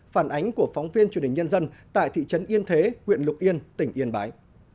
phản ánh của phóng viên truyền hình nhân dân tại thị trấn yên thế huyện lục yên tỉnh yên bái